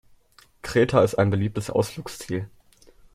Kreta ist ein beliebtes Ausflugsziel.